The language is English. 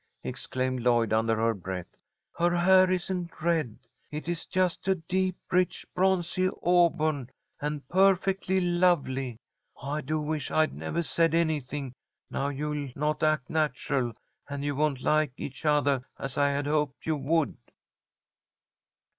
exclaimed Lloyd, under her breath. "Her hair isn't red. It's just a deep, rich, bronzy auburn, and perfectly lovely. I do wish I'd nevah said anything. Now you'll not act natural, and you won't like each othah as I had hoped you would."